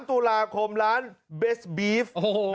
ตุลาคมร้านเบสบีฟ